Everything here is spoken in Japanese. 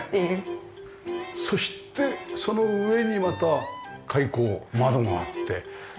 そしてその上にまた開口窓があって。